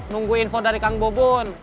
nunggu info dari kang bubun